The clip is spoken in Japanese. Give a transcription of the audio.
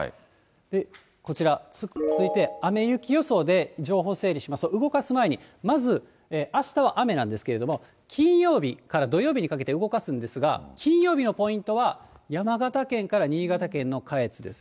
こちら、雨雪予想で、情報整理しますと、動かす前に、まずあしたは雨なんですけれども、金曜日から土曜日にかけて動かすんですが、金曜日のポイントは、山形県から新潟県の下越です。